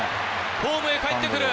ホームへかえってくる。